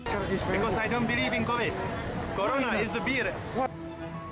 kita tidak percaya dengan virus corona corona adalah biru